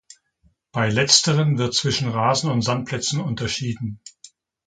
Bei letzteren wird zwischen Rasen- und Sandplätzen unterschieden.